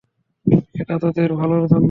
এটা তোদের ভালোর জন্য।